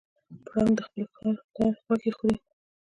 پړانګ د خپل ښکار غوښې خوري.